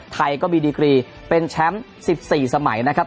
ไทยก็มีดีกรีเป็นแชมป์๑๔สมัยนะครับ